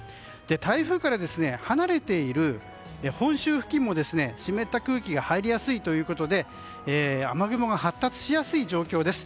台風から離れている本州付近も湿った空気が入りやすいということで雨雲が発達しやすい状況です。